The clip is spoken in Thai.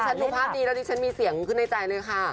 พี่ฉันดูภาพดีดี้ฉันมีเสียงขึ้นใต้ใจเลยค่ะ